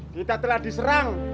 kita telah diserang